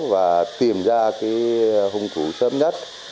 và tìm ra cái hung thủ sớm nhất